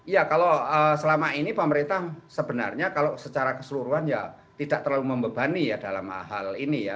ya kalau selama ini pemerintah sebenarnya kalau secara keseluruhan ya tidak terlalu membebani ya dalam hal ini ya